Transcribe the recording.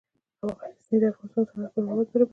غزني د افغانستان د صنعت لپاره مواد برابروي.